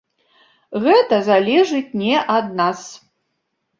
Гэта залежыць не ад нас.